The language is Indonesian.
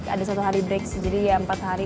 ada satu hari break sih jadi ya empat hari